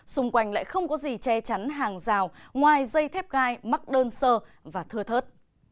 xung quanh lại không có gì che chắn hàng rào ngoài dây thép gai mắc đơn sơ và thưa thớt